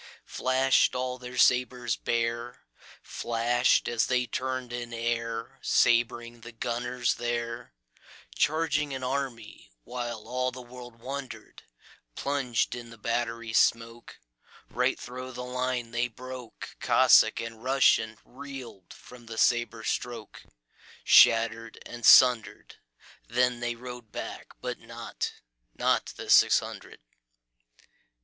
Flash'd all their sabres bare, Flash'd as they turn'd in airSabring the gunners there, Charging an army, whileAll the world wonder'd:Plunged in the battery smokeRight thro' the line they broke; Cossack and RussianReel'd from the sabre strokeShatter'd and sunder'd. Then they rode back, but notNot the six hundred.